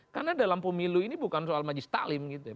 karena dalam pemilu ini bukan soal maji stalin gitu ya